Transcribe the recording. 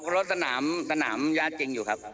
รถสนามสนามย่าจริงอยู่ครับ